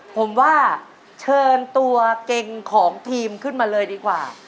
ผมว่าเชิญตัวเก่งของทีมขึ้นมาเลยดีกว่า